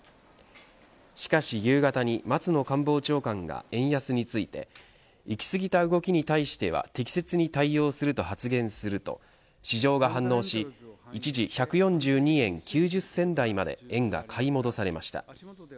しかし夕方に、松野官房長官が円安について行き過ぎた動きに対しては適切に対応すると発言すると市場が反応し一時１４２円９０銭台まで円が買い戻されました。